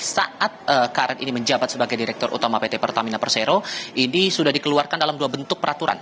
sebagai direktur utama pt pertamina persero ini sudah dikeluarkan dalam dua bentuk peraturan